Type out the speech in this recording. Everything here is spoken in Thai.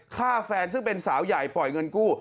ฆ่าแฟนซึ่งเป็นสาวใหญ่ปล่อยเงินกู้